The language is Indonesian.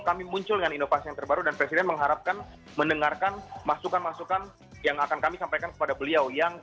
kami muncul dengan inovasi yang terbaru dan presiden mengharapkan mendengarkan masukan masukan yang akan kami sampaikan kepada beliau